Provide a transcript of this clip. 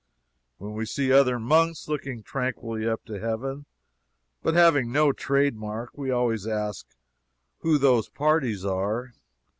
When we see other monks looking tranquilly up to heaven, but having no trade mark, we always ask who those parties are.